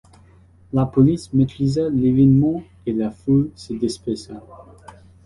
La police maîtrisa l’événement et la foule se dispersa.